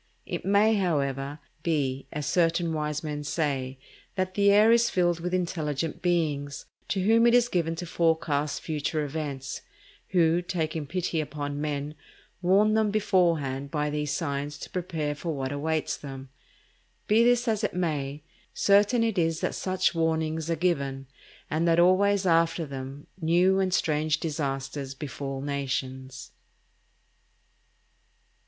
It may, however, be, as certain wise men say, that the air is filled with intelligent beings, to whom it is given to forecast future events; who, taking pity upon men, warn them beforehand by these signs to prepare for what awaits them. Be this as it may, certain it is that such warnings are given, and that always after them new and strange disasters befall nations.